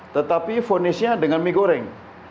tetapi fonisnya dengan mie goreng